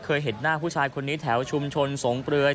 เคยเห็นหน้าผู้ชายคนนี้แถวชุมชนสงเปลือย